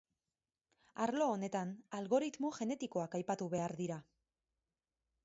Arlo honetan algoritmo genetikoak aipatu behar dira.